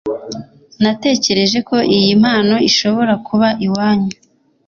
natekereje ko iyi mpano ishobora kuba iwanyu